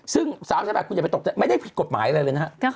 ซึ่ง๓แสนบาทคุณอย่าไปตกใจไม่ได้ผิดกฎหมายอะไรเลยนะฮะ